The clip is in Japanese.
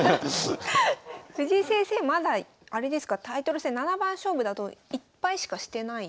藤井先生まだあれですかタイトル戦七番勝負だと１敗しかしてない。